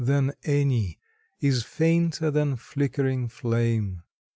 than any, Is fainter than flickering flame.